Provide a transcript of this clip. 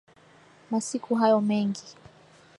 Masiku hayo mengi